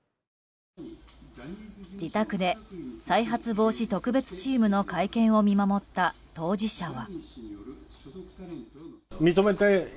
自宅で再発防止特別チームの会見を見守った当事者は。